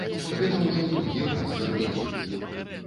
Гэта ўжо другі раз за тыдзень.